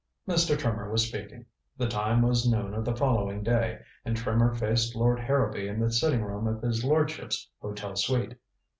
Mr. Trimmer was speaking. The time was noon of the following day, and Trimmer faced Lord Harrowby in the sitting room of his lordship's hotel suite.